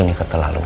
ini ketelah lu wano